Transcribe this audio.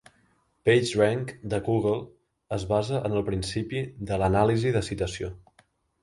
PageRank de Google es basa en el principi de l"anàlisi de citació.